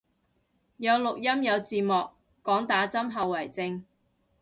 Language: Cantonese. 有錄音有字幕，講打針後遺症